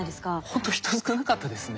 ほんと人少なかったですね。